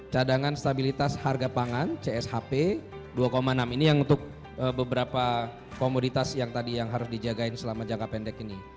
cadangan stabilitas harga pangan cshp dua enam ini yang untuk beberapa komoditas yang tadi yang harus dijagain selama jangka pendek ini